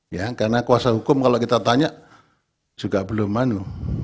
ya karena kuasa hukum kalau kita tanya juga belum manu